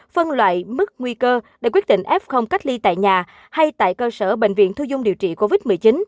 phân loại mức nguy cơ để quyết định f cách ly tại nhà hay tại cơ sở bệnh viện thu dung điều trị covid một mươi chín